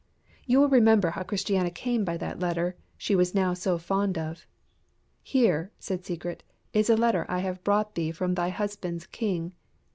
You will remember how Christiana came by that letter she was now so fond of. "Here," said Secret, "is a letter I have brought thee from thy husband's King."